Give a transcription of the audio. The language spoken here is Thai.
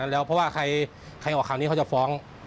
แล้วเพราะว่าใครออกข่าวนี้เขาจะฟ้อง